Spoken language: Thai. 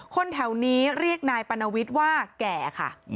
คนแถวนี้เรียกนายปรณวิทย์ว่าแก่ค่ะ